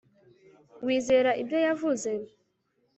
Wizera ibyo yavuze